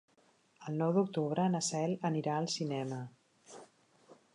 El nou d'octubre na Cel anirà al cinema.